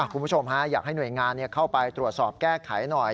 คุณผู้ชมอยากให้หน่วยงานเข้าไปตรวจสอบแก้ไขหน่อย